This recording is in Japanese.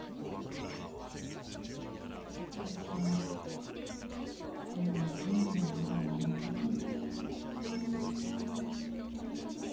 うちはこんなふうにはもう笑えんかも。